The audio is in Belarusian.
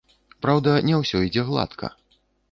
Праўда, не ўсё ідзе гладка.